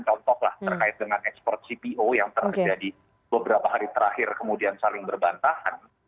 contohlah terkait dengan ekspor cpo yang terjadi beberapa hari terakhir kemudian saling berbantahan